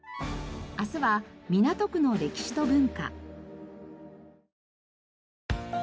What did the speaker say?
明日は港区の歴史と文化。